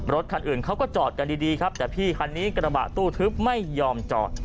รถคันอื่นเขาก็จอดกันดีครับแต่พี่คันนี้กระบะตู้ทึบไม่ยอมจอด